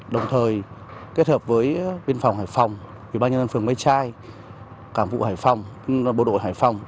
đồng thời kết hợp với biên phòng hải phòng ủy ban nhân dân phường mây trai cảng vụ hải phòng bộ đội hải phòng